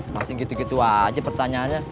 masih gitu gitu aja pertanyaannya